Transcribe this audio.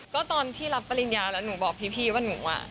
ก็ตอนที่รับปริญญาแล้วหนูบอกพี่ว่าหนูอ่ะ